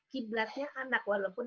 qiblatnya anak walaupun